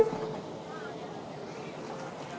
สวัสดีครับ